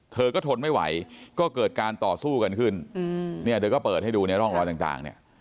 เธอก็ทนไม่ไหวก็เกิดการต่อสู้กันขึ้นเนี่ยเธอก็เปิดให้ดูในร่องรอยต่างเนี่ย